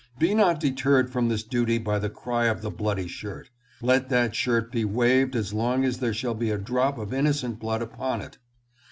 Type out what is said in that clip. Be not deterred from this duty by the cry of the bloody shirt. Let that shirt be waved as long as there shall be a drop of innocent blood upon it.